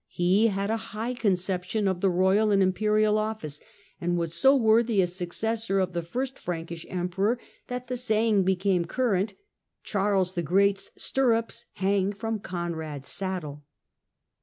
He had a high conception of the royal and imperial office, and was so worthy a successor of the first Frankish Emperor that the saying became current: " Charles the Great's stirrups hang from Conrad's saddle."